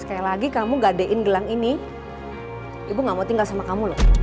sekali lagi kamu gadein gelang ini ibu gak mau tinggal sama kamu loh